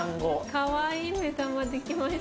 かわいい目玉出来ました。